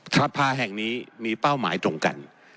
สภาแห่งนี้มีเป้าหมายตรงกัน